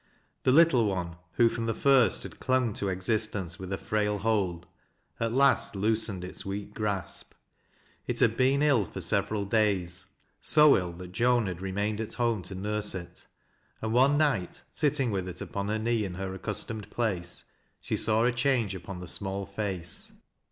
The little one, who from the first had climg to existence with a frail hold, at last loosened its weak grasp. It had been ill for several days, — so ill that .loan had remained at home to nurse it, — and one night, sitting with it upon her knee in her accustomed place, she saw a change upon the small face.